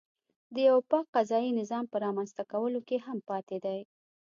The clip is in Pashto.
د یوه پاک قضایي نظام په رامنځته کولو کې هم پاتې دی.